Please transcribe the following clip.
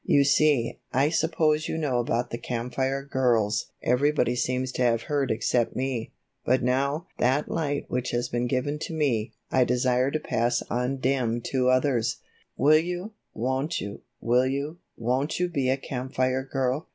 You see, I suppose you know about the Camp Fire Girls, everybody seems to have heard except me, but now 'That light which has been given to me, I desire to pass undimmed to others.' Will you, won't you, will you, won't you be a Camp Fire Girl?"